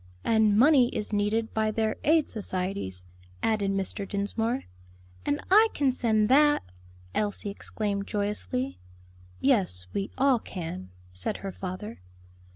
"And money is needed by their aid societies," added Mr. Dinsmore. "And I can send that!" Elsie exclaimed joyously "Yes, we all can," said her father.